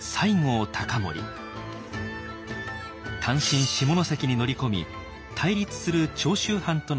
単身下関に乗り込み対立する長州藩との同盟を締結。